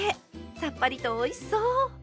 さっぱりとおいしそう！